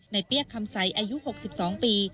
ในเปี๊ยกคำไซค์อายุหกสิบสองปี